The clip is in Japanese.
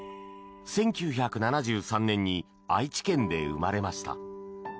１９７３年に愛知県で生まれました。